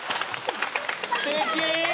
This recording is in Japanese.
すてき！